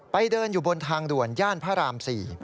เดินอยู่บนทางด่วนย่านพระราม๔